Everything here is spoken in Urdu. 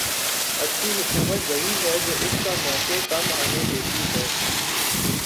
اچھی حکومت وہی ہے جو اس کا موقع کم آنے دیتی ہے۔